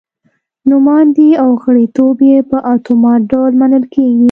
نوماندي او غړیتوب یې په اتومات ډول منل کېږي.